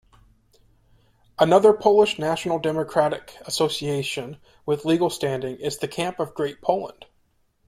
Another Polish national-democratic association with legal standing is the Camp of Great Poland.